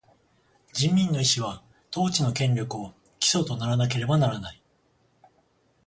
人民の意思は、統治の権力を基礎とならなければならない。